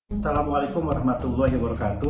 assalamualaikum wr wb